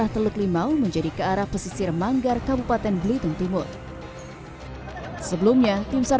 teluk limau menjadi kearah pesisir manggar kabupaten blitung timur sebelumnya timsar